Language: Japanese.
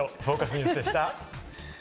ニュースでした。